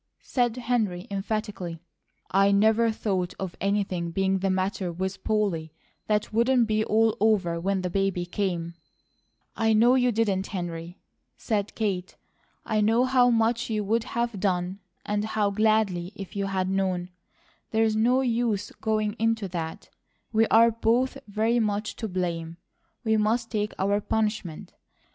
said Henry emphatically. "I never thought of anything being the matter with Polly that wouldn't be all over when the baby came " "I know you didn't, Henry," said Kate. "I know how much you would have done, and how gladly, if you had known. There is no use going into that, we are both very much to blame; we must take our punishment.